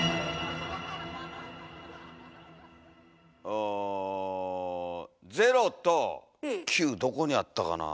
お０と９どこにあったかなあ。